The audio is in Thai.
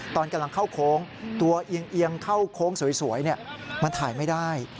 ตอนกำลังเข้าโค้งตัวเอียงเข้าโค้งสวยมันถ่ายไม่ได้